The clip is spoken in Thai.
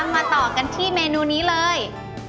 มาต่อกันที่เมนูนี้เลย